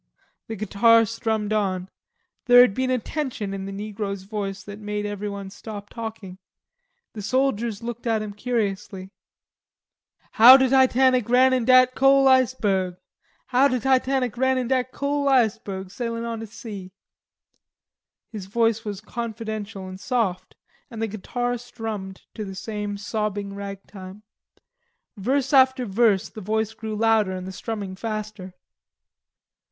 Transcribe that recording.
The guitar strummed on. There had been a tension in the negro's voice that had made everyone stop talking. The soldiers looked at him curiously. "How de Titanic ran in dat cole iceberg, How de Titanic ran in dat cole iceberg Sailin' on de sea." His voice was confidential and soft, and the guitar strummed to the same sobbing rag time. Verse after verse the voice grew louder and the strumming faster.